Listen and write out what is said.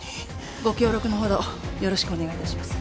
ご協力のほどよろしくお願いいたします。